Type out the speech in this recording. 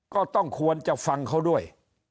ก็ต้องควรจะฟังเขาด้วย